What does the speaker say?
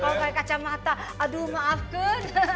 kalau pakai kacamata aduh maafkan